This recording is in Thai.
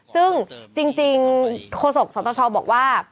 ซึ่งจริงโฆษกสวัสดิ์ชอบบอกว่า